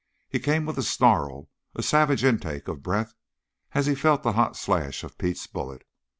He came with a snarl, a savage intake of breath, as he felt the hot slash of Pete's bullet.